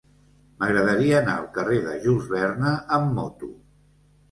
M'agradaria anar al carrer de Jules Verne amb moto.